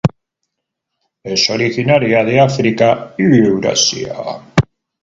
Es originaria de África y Eurasia.